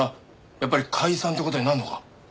やっぱり解散って事になるのか？